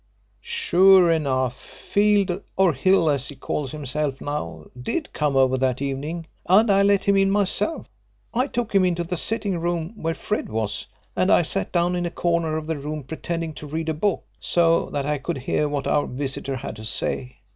"Sure enough, Field or Hill as he calls himself now did come over that evening and I let him in myself. I took him into the sitting room where Fred was, and I sat down in a corner of the room pretending to read a book so that I could hear what our visitor had to say.